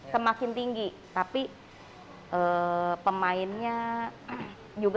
semakin tinggi tapi pemainnya juga